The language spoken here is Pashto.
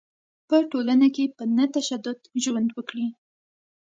په ټولنه کې په نه تشدد ژوند وکړي.